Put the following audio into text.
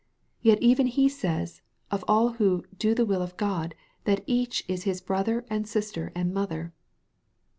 Yet even He says, of all who " do the will of God," that each " is his brother, and sister, and mother."